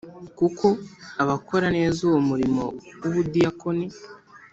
Kuko abakora neza uwo murimo w ubudiyakoni